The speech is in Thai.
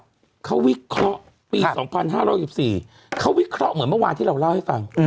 เขาวิเคราะห์ปี๒๕๖๔เขาวิเคราะห์เหมือนเมื่อวานที่เราเล่าให้ฟัง